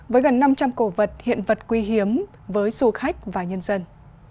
với gần năm trăm linh cổ vật hiện vật quý hiếm với du khách và nhân dân